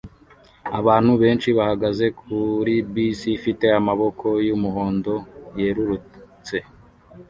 Abantu benshi bahagaze kuri bisi ifite amaboko yumuhondo yerurutse